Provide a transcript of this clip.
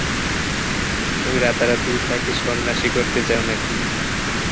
তুমি রাতারাতিই তাঁকে সন্ন্যাসী করতে চাও নাকি?